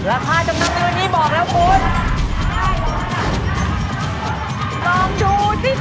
อ้าวอยากได้อ่ะ